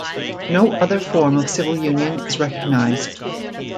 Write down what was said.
No other form of civil union is recognized.